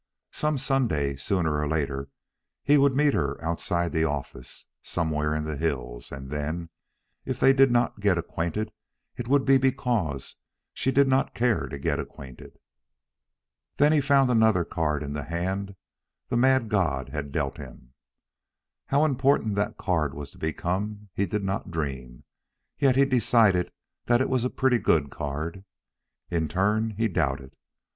Some Sunday, sooner or later, he would meet her outside the office, somewhere in the hills, and then, if they did not get acquainted, it would be because she did not care to get acquainted. Thus he found another card in the hand the mad god had dealt him. How important that card was to become he did not dream, yet he decided that it was a pretty good card. In turn, he doubted.